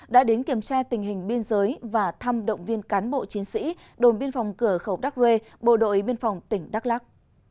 đã đến kiểm tra tình hình biên giới và thăm động viên cán bộ chiến sĩ đồn biên phòng cửa khẩu đắk rê bộ đội biên phòng tỉnh đắk lắc